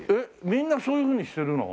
みんなそういうふうにしてるの？